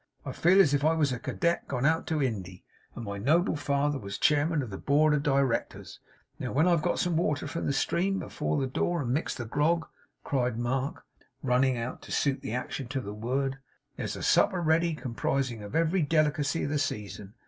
I feel as if I was a cadet gone out to Indy, and my noble father was chairman of the Board of Directors. Now, when I've got some water from the stream afore the door and mixed the grog,' cried Mark, running out to suit the action to the word, 'there's a supper ready, comprising every delicacy of the season.